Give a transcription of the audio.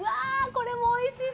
これもおいしそう！